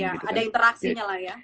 iya ada interaksinya lah ya